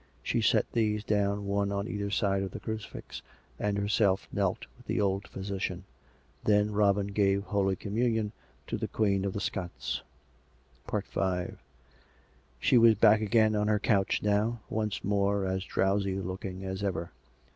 She set these down one on either side of the crucifix, and herself knelt with the old physician. ... Then Robin gave holy communion to the Queen of the Scots. ... She was back again on her couch now, once more as drowsy looking as ever.